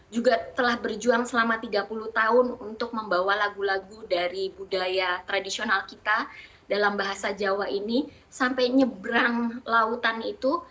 juga telah berjuang selama tiga puluh tahun untuk membawa lagu lagu dari budaya tradisional kita dalam bahasa jawa ini sampai nyebrang lautan itu